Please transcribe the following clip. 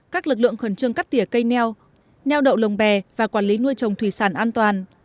các lực lượng khẩn trương cắt tỉa cây neo neo đậu lồng bè và quản lý nuôi trồng thủy sản an toàn